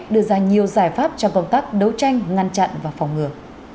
đưa ra nhiều giải pháp cho công tác đấu tranh ngăn chặn và phòng ngừa